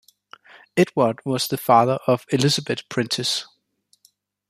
Edward was the father of Elizabeth Prentiss.